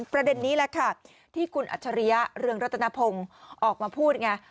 ประเด็นนี้แหละค่ะที่คุณอัจฉริยะเรืองรัตนพงศ์ออกมาพูดไง